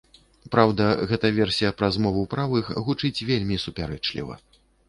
Праўда, гэта версія пра змову правых гучыць вельмі супярэчліва.